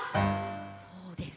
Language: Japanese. そうです。